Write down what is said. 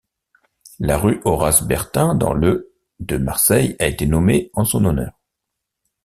La Rue Horace-Bertin, dans le de Marseille, a été nommée en son honneur.